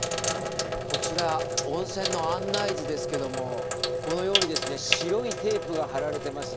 こちら、温泉の案内図ですけども、このようにですね白いテープが貼られてます。